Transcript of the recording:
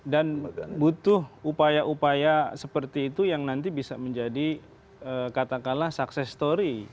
dan butuh upaya upaya seperti itu yang nanti bisa menjadi katakanlah sukses story